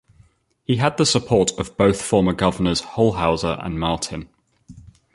He had the support of both former governors Holshouser and Martin.